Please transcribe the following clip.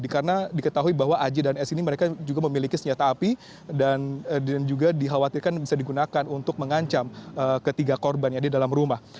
karena diketahui bahwa aji dan es ini mereka juga memiliki senjata api dan juga dikhawatirkan bisa digunakan untuk mengancam ketiga korban yang ada di dalam rumah